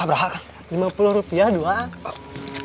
lima puluh rupiah doang